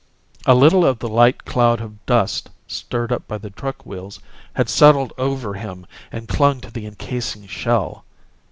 A little of the light cloud of dust stirred up by the truck wheels had settled over him and clung to the encasing shell.